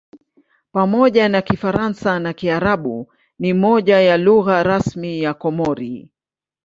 Pamoja na Kifaransa na Kiarabu ni moja ya lugha rasmi ya Komori.